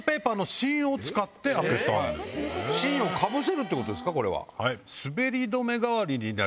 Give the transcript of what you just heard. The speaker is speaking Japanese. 芯をかぶせるってことですか？